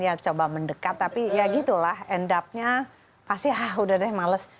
ya coba mendekat tapi ya gitu lah endapnya pasti ah udah deh males